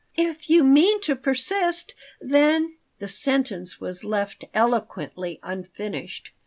If you mean to persist, then " The sentence was left eloquently unfinished.